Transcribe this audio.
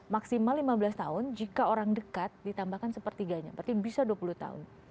maksimal lima belas tahun jika orang dekat ditambahkan sepertiganya berarti bisa dua puluh tahun